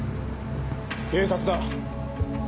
警察だ。